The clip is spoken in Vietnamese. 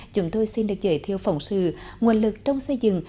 chúng tôi xin được giới thiệu phỏng sự nguồn lực trong xây dựng